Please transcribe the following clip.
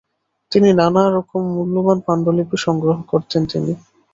তিনি নানা রকম মূল্যবান পাণ্ডুলিপি সংগ্রহ করতেন তিনি।